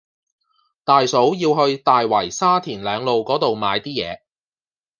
大嫂要去大圍沙田嶺路嗰度買啲嘢